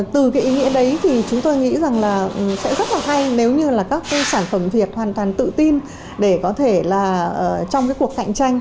từ ý nghĩa đấy chúng tôi nghĩ sẽ rất hay nếu các sản phẩm việt hoàn toàn tự tin để có thể trong cuộc cạnh tranh